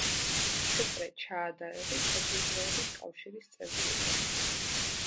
პეტრე ჩაადაევი „კეთილდღეობის კავშირის“ წევრი იყო.